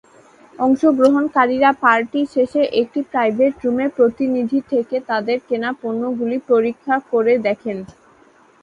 অংশগ্রহণকারীরা party শেষে একটি private রুমে প্রতিনিধি থেকে তাদের কেনা পণ্যগুলি পরীক্ষা করে দেখেন।